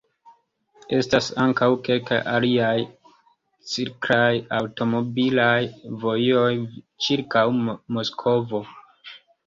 Estas ankaŭ kelkaj aliaj cirklaj aŭtomobilaj vojoj ĉirkaŭ Moskvo.